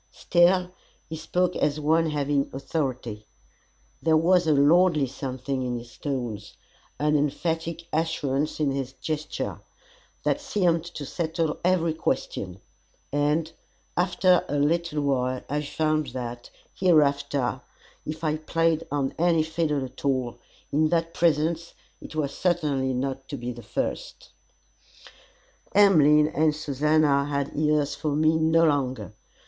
Still, he spoke as one having authority. There was a lordly something in his tones, an emphatic assurance in his gesture, that seemed to settle every question; and, after a little while, I found that, hereafter, if I played on any fiddle at all, in that presence, it was certainly not to be the first. Emmeline and Susannah had ears for me no longer.